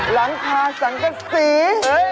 หลังคาสังกษี